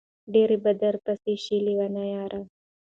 ډېر به درپسې شي لېوني ياره